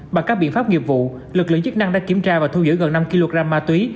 bằng các biện pháp nghiệp vụ lực lượng chức năng đã kiểm tra và thu giữ gần năm kg ma túy